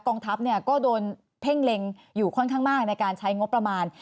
องทัพก็โดนเพ่งเล็งอยู่ค่อนข้างมากในการใช้งบประมาณ